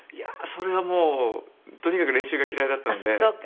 それはもうとにかく練習が嫌いだったので。